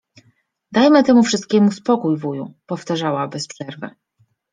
„Dajmy temu wszystkiemu spokój, wuju!” — powtarzała bez przerwy.